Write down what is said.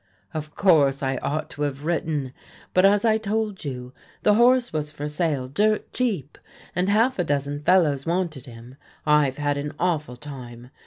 Of course I ought to have written. But as I told you, the horse was for sale dirt cheap, and half a dozen fellows wanted him. I've had an awful time.